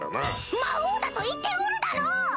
魔王だと言っておるだろう！